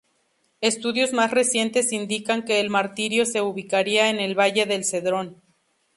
Estudios más recientes indican que el martirio se ubicaría en el Valle del Cedrón.